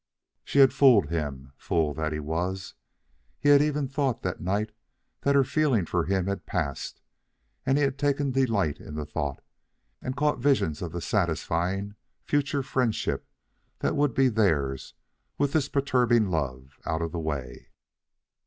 She had fooled him, fool that he was. He had even thought that night that her feeling for him had passed, and he had taken delight in the thought, and caught visions of the satisfying future friendship that would be theirs with this perturbing love out of the way.